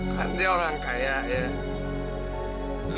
kan dia orang kaya ya